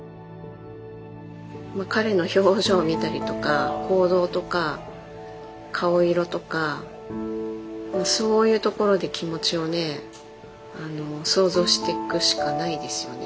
彼の表情を見たりとか行動とか顔色とかそういうところで気持ちをね想像していくしかないですよね